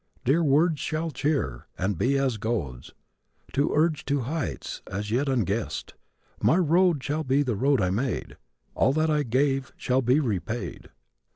Dear words shall cheer, and be as goads To urge to heights as yet unguessed. My road shall be the road I made. All that I gave shall be repaid.